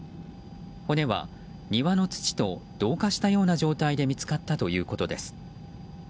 骨は庭の土と同化したような状態で見つかったということです。